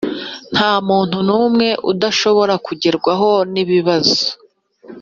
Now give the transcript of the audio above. Nta muntu n’umwe udashobora kugerwaho n’ibibazo